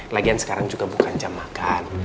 lagian sekarang juga bukan jam makan